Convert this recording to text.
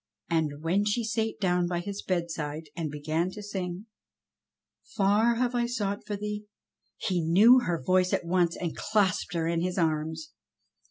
And when she sate down by his bedside and began to sing : "Far have I sought for thee —" he knew her voice at once, and clasped her in his arms.